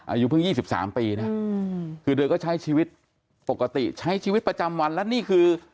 อายุเพิ่ง๒๓ปีนะคือเธอก็ใช้ชีวิตปกติใช้ชีวิตประจำวันแล้วนี่คือ